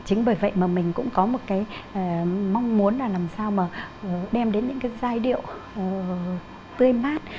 chính bởi vậy mà mình cũng có một cái mong muốn là làm sao mà đem đến những cái giai điệu tươi mát